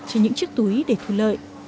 cho những chiếc túi để thu lợi